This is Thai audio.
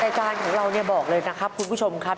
รายการของเราเนี่ยบอกเลยนะครับคุณผู้ชมครับ